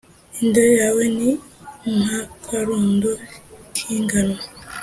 Inda yawe ni nk’akarundo k’ingano